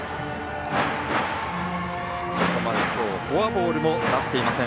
ここまでフォアボールも出していません。